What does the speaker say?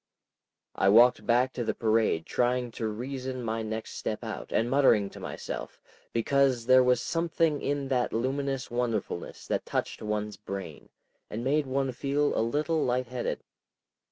I walked back to the parade trying to reason my next step out, and muttering to myself, because there was something in that luminous wonderfulness that touched one's brain, and made one feel a little light headed.